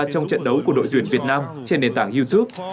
trong trận đấu của đội tuyển việt nam trên nền tảng youtube